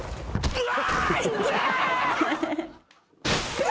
うわ！